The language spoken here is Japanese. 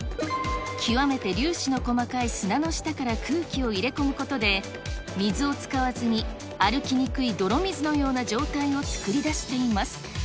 極めて粒子の細かい砂の下から空気を入れ込むことで、水を使わずに歩きにくい泥水のような状態を作り出しています。